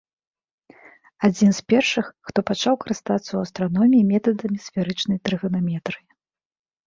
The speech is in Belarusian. Адзін з першых, хто пачаў карыстацца ў астраноміі метадамі сферычнай трыганаметрыі.